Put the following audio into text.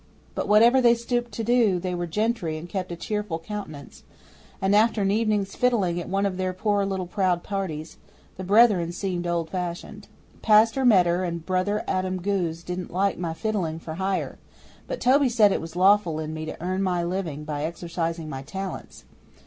But whatever they stooped to, they were gentry and kept a cheerful countenance, and after an evening's fiddling at one of their poor little proud parties, the Brethren seemed old fashioned. Pastor Meder and Brother Adam Goos didn't like my fiddling for hire, but Toby said it was lawful in me to earn my living by exercising my talents.